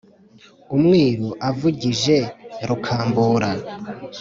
umwiru avugije rukambura